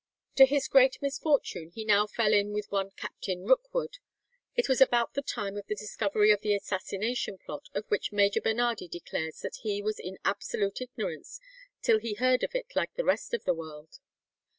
To his great misfortune he now fell in with one Captain Rookwood. It was about the time of the discovery of the assassination plot, of which Major Bernardi declares that he was in absolute ignorance till he heard of it like the rest of the world.